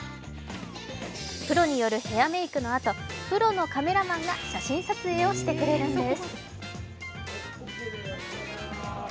プロによるヘアメイクのあとプロのカメラマンが写真撮影をしてくれるんです。